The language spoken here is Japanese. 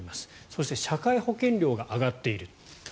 そして社会保険料が上がっている。